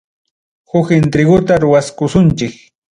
Huk entreguta ruwaykusunchik.